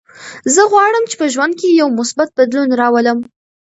زه غواړم چې په ژوند کې یو مثبت بدلون راولم.